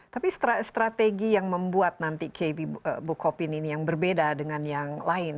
tapi strategi yang membuat nanti kb bukopin ini yang berbeda dengan yang lain